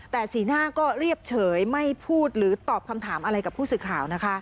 แต่สีหน้าก็เรียบเฉยไม่พูดหรือตอบคำถามอะไรกับผู้สื่อข่าวนะคะ